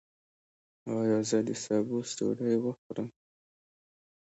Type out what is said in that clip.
ایا زه د سبوس ډوډۍ وخورم؟